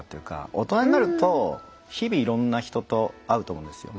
大人になると日々いろんな人と会うと思うんですよ。